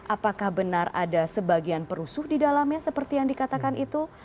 apakah benar ada sebagian perusuh di dalamnya seperti yang dikatakan itu